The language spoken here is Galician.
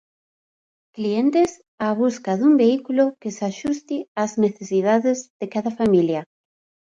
Clientes á busca dun vehículo que se axuste ás necesidades de cada familia.